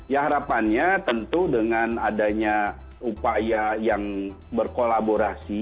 ya harapannya tentu dengan adanya upaya yang berkolaborasi